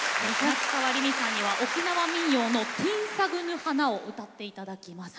夏川りみさんには沖縄民謡の「てぃんさぐぬ花」を歌って頂きます。